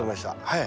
はい。